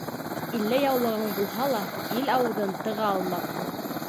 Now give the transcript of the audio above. Илле яулығың булһа ла, ил ауыҙын тыға алмаҫһың.